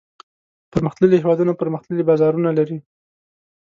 پرمختللي هېوادونه پرمختللي بازارونه لري.